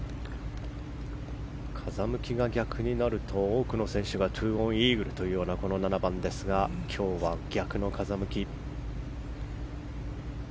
風向きが逆になると多くの選手が２オンイーグルというこの７番ですが今日は逆の風向き。